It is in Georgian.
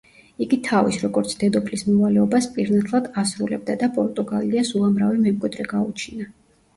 იგი თავის, როგორც დედოფლის მოვალეობას პირნათლად ასრულებდა და პორტუგალიას უამრავი მემკვიდრე გაუჩინა.